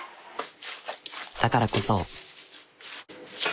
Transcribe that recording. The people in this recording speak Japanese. だからこそ。